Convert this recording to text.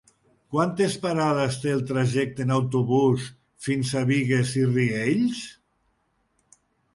Quantes parades té el trajecte en autobús fins a Bigues i Riells?